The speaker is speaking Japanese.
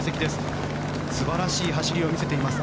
素晴らしい走りを見せています。